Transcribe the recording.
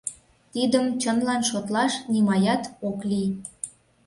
Тидым чынлан шотлаш нимаят ок лий.